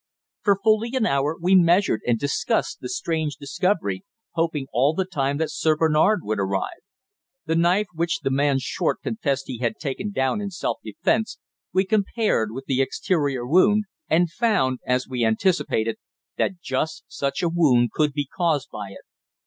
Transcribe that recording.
For fully an hour we measured and discussed the strange discovery, hoping all the time that Sir Bernard would arrive. The knife which the man Short confessed he had taken down in self defence we compared with the exterior wound and found, as we anticipated, that just such a wound could be caused by it.